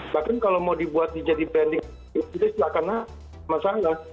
bahkan kalau mau dibuat menjadi branding silakan lah masalah